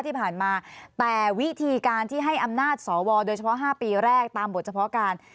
ที่ผ่านมาแต่วิธีการที่ให้อำนาจสวโดยเฉพาะ๕ปีแรกตามบทเฉพาะการ